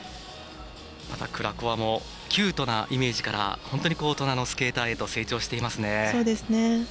クラコワもキュートなイメージから本当に大人のスケーターへと成長していますね。